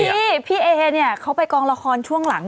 พี่พี่เอเนี่ยเขาไปกองละครช่วงหลัง